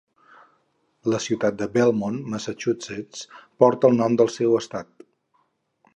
La ciutat de Belmont, Massachusetts, porta el nom del seu estat.